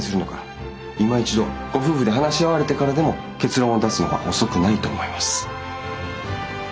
いま一度ご夫婦で話し合われてからでも結論を出すのは遅くないと思います。